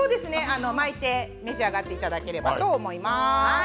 巻いて召し上がっていただければと思います。